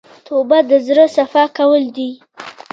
توبه د زړه صفا کول دي.